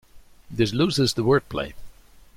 This loses the wordplay.